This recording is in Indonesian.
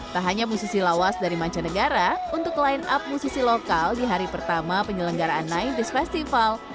tak hanya musisi lawas dari mancanegara untuk line up musisi lokal di hari pertama penyelenggaraan sembilan puluh festival